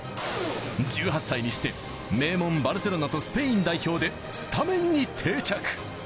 １８歳にして名門・バルセロナとスペイン代表でスタメンに定着。